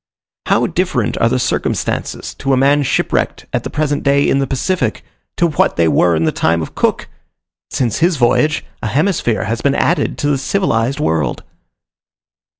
How different are the circumstances to a man shipwrecked at the present day in the Pacific, to what they were in the time of Cook! Since his voyage a hemisphere has been added to the civilized world.